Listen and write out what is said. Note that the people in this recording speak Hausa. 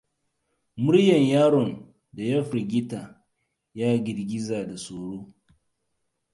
Muryar yaron da ya firgita ya girgiza da tsoro.